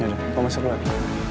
yaudah aku masuk lagi